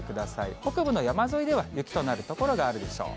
北部の山沿いでは雪となる所があるでしょう。